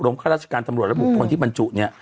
ข้าราชการตำรวจและบุคคลที่บรรจุเนี่ย